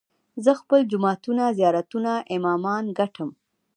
زه خپل جوماتونه، زيارتونه، امامان ګټم